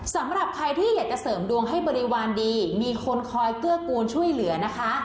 สำหรับใครที่อยากจะเสริมดวงให้บริวารดีมีคนคอยเกื้อกูลช่วยเหลือนะคะ